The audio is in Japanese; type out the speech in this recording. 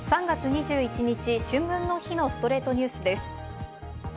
３月２１日、春分の日の『ストレイトニュース』です。